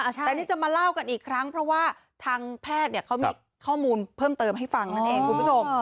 แต่นี่จะมาเล่ากันอีกครั้งเพราะว่าทางแพทย์เขามีข้อมูลเพิ่มเติมให้ฟังนั่นเองคุณผู้ชม